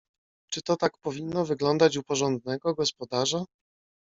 "Czy to tak powinno wyglądać u porządnego gospodarza?"